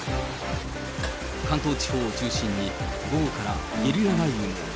関東地方を中心に、午後からゲリラ雷雨も。